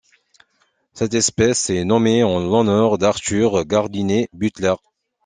Cette espèce est nommée en l'honneur d'Arthur Gardiner Butler.